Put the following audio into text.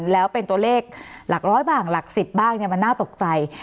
แล้วเป็นตัวเลขหลักร้อยบ้างหลัก๑๐บ้างมันน่าตกใจ